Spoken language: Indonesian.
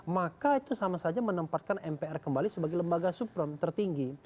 maka itu sama saja menempatkan mpr kembali sebagai lembaga suprem tertinggi